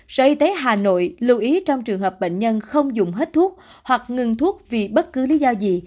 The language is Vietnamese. sở y tế hà nội lưu ý trong trường hợp bệnh nhân không dùng hết thuốc hoặc ngừng thuốc vì bất cứ lý do gì